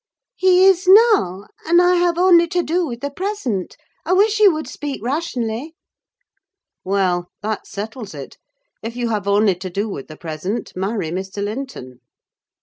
"He is now; and I have only to do with the present. I wish you would speak rationally." "Well, that settles it: if you have only to do with the present, marry Mr. Linton."